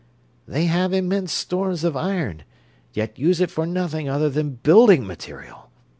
"They have immense stores of iron, yet use it for nothing other than building material.